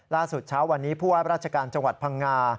เช้าวันนี้ผู้ว่าราชการจังหวัดพังงา